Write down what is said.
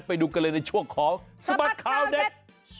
ไปดูกันเลยในช่วงของสบัดข่าวเด็ด